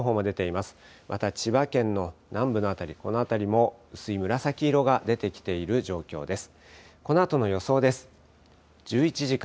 また千葉県の南部の辺り、この辺りも薄い紫色が出てきている状況です。